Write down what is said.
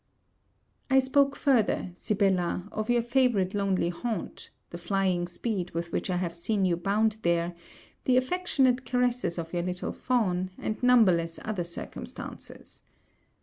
I spoke further, Sibella, of your favourite lonely haunt, the flying speed with which I have seen you bound there, the affectionate caresses of your little fawn, and numberless other circumstances.